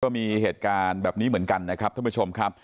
มีเหตุการณ์แบบนี้เหมือนกันนะครับท่านผู้ชมครับ